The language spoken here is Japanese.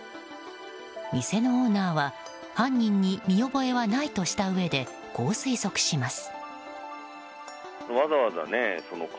店のオーナーは犯人に見覚えはないとしたうえでこう推測します。